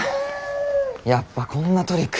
やっぱこんなトリックには。